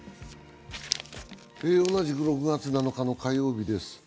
同じく６月７日の火曜日です。